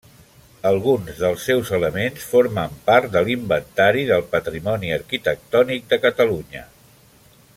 Alguns dels seus elements formen part de l'Inventari del Patrimoni Arquitectònic de Catalunya.